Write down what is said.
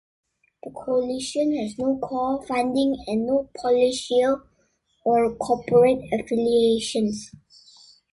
The Coalition has no core funding and no political or corporate affiliations.